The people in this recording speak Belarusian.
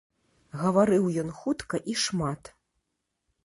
Гаварыў ён хутка і шмат.